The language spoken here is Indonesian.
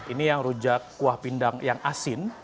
ini yang rujak kuah pindang yang asin